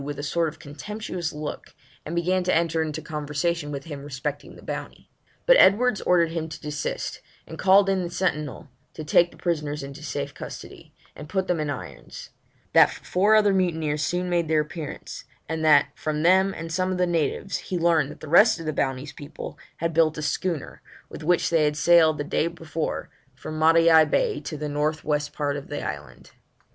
with a sort of contemptuous look, and began to enter into conversation with him respecting the Bounty; but Edwards ordered him to desist, and called in the sentinel to take the prisoners into safe custody, and to put them in irons; that four other mutineers soon made their appearance; and that, from them and some of the natives, he learned that the rest of the Bounty's people had built a schooner, with which they had sailed the day before from Matavai Bay to the north west part of the island.